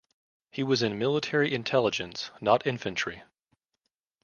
He was in military intelligence, not infantry.